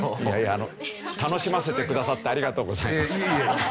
いやいや楽しませてくださってありがとうございます。